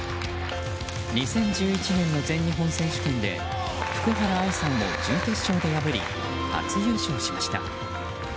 ２０１１年の全日本選手権で福原愛さんを準決勝で破り初優勝しました。